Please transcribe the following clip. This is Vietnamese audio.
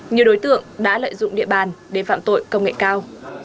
nhiều đối tượng đã lợi dụng địa bàn để phạm tội công nghệ cao